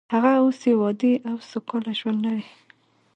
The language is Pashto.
هغه اوس یو عادي او سوکاله ژوند لري